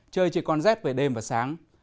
trời chỉ còn rét về đêm và sáng